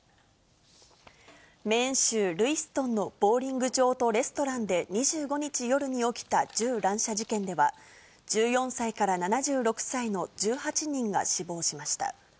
メーン州ルイストンのボウリング場とレストランで２５日夜に起きた銃乱射事件では、１４歳から７６歳の１８人が死亡しました。